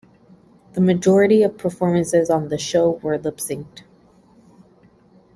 The majority of performances on the show were lip synched.